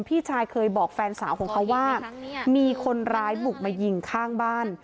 พี่ชายเคยบอกแฟนสาวของเขาว่ามีคนร้ายบุกมายิงข้างบ้าน